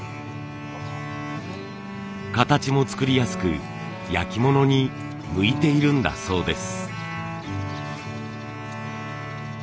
形も作りやすく焼き物に向いているんだそうです。